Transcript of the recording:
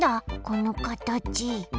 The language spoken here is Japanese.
このかたち。